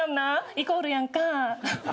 イコールやんか。